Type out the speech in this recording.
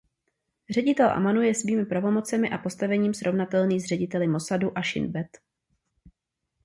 Ředitel Amanu je svými pravomocemi a postavením srovnatelný s řediteli Mosadu a Šin Bet.